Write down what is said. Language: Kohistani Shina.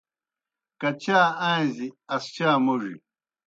کچا آݩزی اسچا موْڙیْ